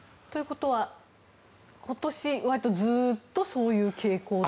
ということは今年割とずっとそういう傾向？